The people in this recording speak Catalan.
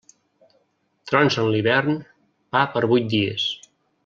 Trons en l'hivern, pa per vuit dies.